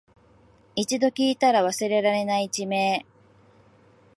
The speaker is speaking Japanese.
一度聞いたら忘れられない地名